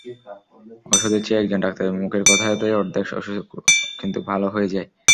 ওষুধের চেয়ে একজন ডাক্তারের মুখের কথাতেই অর্ধেক অসুখ কিন্তু ভালো হয়ে যায়।